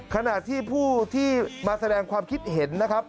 ขณะที่ผู้ที่มาแสดงความคิดเห็นนะครับ